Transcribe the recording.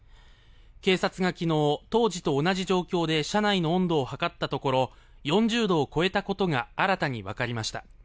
警察が昨日、当時と同じ状況で車内の温度を測ったところ４０度を超えたことが新たにわかりました。